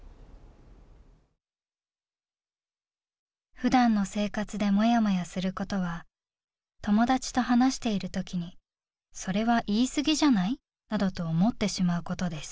「普段の生活でもやもやすることは、友達と話している時にそれは言い過ぎじゃない？などと思ってしまうことです」。